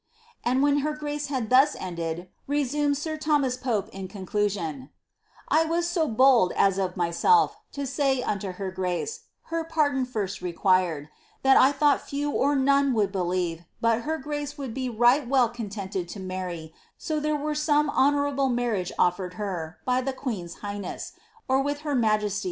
*^ And when her grace had thus ended," resumes sir Thomas Pope, in conclu sion, ^ I was so bold, as of myself, to say unto her grace, her putkm iirst required, that I thought few or none would believe but her gnca would be right well contented to marry, so there were some AonoMraUf nuariage offered her, by the queen's highness, or with her majesty?!